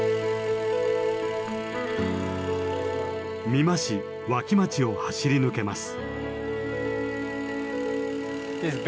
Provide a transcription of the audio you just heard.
美馬市脇町を走り抜けます。